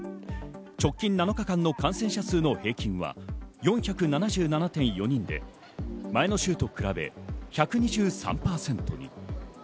直近７日間の感染者数の平均は４７７．４人で前の週と比べ１２３％。